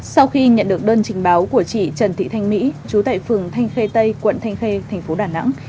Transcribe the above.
sau khi nhận được đơn trình báo của chị trần thị thanh mỹ trú tại phường thanh khê tây quận thanh khê thành phố đà nẵng